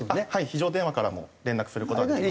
非常電話からも連絡する事ができます。